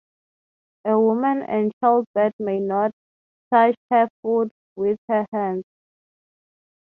A woman and childbed may not touch her food with her hands.